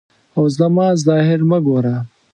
او زما ظاهر مه ګوره.